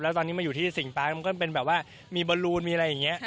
แล้วตอนนี้มาอยู่ที่สิงปาร์มันก็เป็นแบบว่ามีบอลลูนมีอะไรอย่างนี้